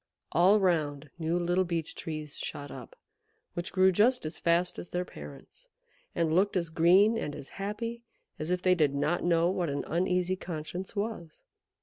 All round new little Beech Trees shot up, which grew just as fast as their parents, and looked as green and as happy as if they did not know what an uneasy conscience was.